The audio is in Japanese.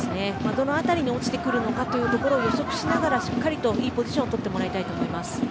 どの辺りに落ちてくるかを予測しながらしっかりといいポジションをとってもらいたいと思います。